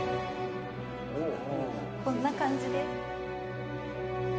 こんな感じで。